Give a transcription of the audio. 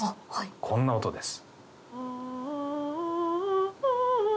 こんな音です。